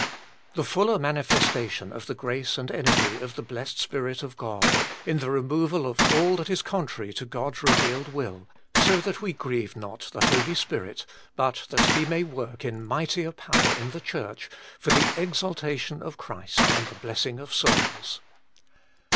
The fuller manifestation of the grace and energy of the Blessed Spirit of God, in the removal of all that is contrary to God s re vealed will, so that we grieve not the Holy Spirit, but that He may work in mightier power in the Church, for the exaltation of Christ and the blessing of souls."